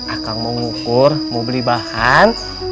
akang mau ngukur mau beli bahan